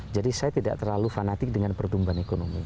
jadi saya tidak terlalu fanatik dengan pertumbuhan ekonomi